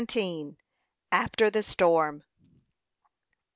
AFTER THE STORM.